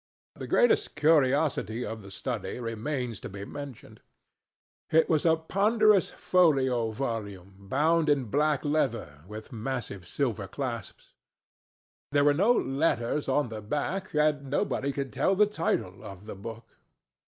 The greatest curiosity of the study remains to be mentioned: it was a ponderous folio volume bound in black leather, with massive silver clasps. There were no letters on the back, and nobody could tell the title of the book.